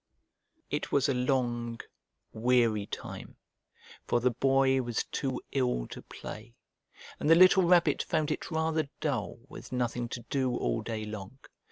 It was a long weary time, for the Boy was too ill to play, and the little Rabbit found it rather dull with nothing to do all day long.